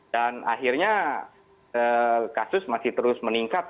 dan akhirnya kasus masih terus meningkat